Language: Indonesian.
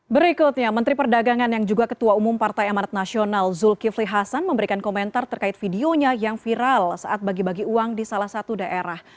berikutnya menteri perdagangan yang juga ketua umum partai amarat nasional zulkifli hasan memberikan komentar terkait videonya yang viral saat bagi bagi uang di salah satu daerah